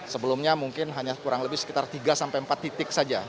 sebelumnya mungkin hanya kurang lebih sekitar tiga sampai empat titik saja